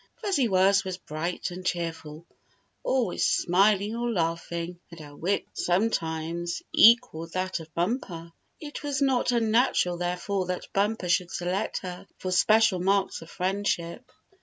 Fuzzy Wuzz was bright and cheerful, always smiling or laughing, and her wit sometimes equalled that of Bumper. It was not unnatural, therefore, that Bumper should select her for spe cial marks of friendship.